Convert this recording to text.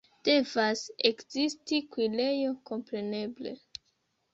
Devas ekzisti kuirejo, kompreneble.